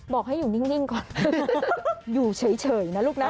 บอกให้อยู่นิ่งก่อนอยู่เฉยนะลูกนะ